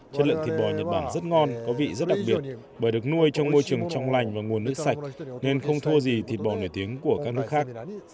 chất lượng thịt bò nhật bản rất ngon có vị rất đặc biệt bởi được nuôi trong môi trường trong lành và nguồn nước sạch nên không thua gì thịt bò nổi tiếng của các nước khác